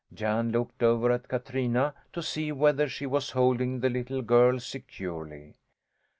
Jan looked over at Katrina to see whether she was holding the little girl securely.